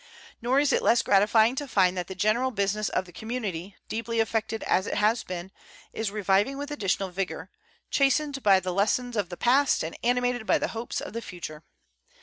Nor is it less gratifying to find that the general business of the community, deeply affected as it has been, is reviving with additional vigor, chastened by the lessons of the past and animated by the hopes of the future.